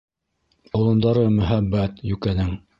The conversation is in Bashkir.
Олондары мөһабәт, йүкәнең